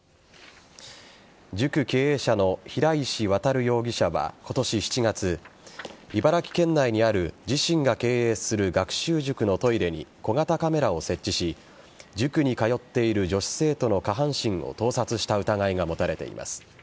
塾経営者の平石渉容疑者は今年７月茨城県内にある自身が経営する学習塾のトイレに小型カメラを設置し塾に通っている女子生徒の下半身を盗撮した疑いが持たれています。